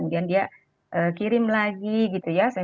dia kirim lagi gitu ya